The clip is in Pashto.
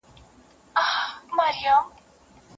فلسطین د اور قفس دی